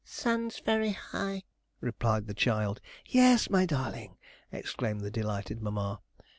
'Sun's very high,' replied the child. 'Yes, my darling!' exclaimed the delighted mamma.